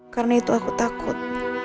karena itu aku takut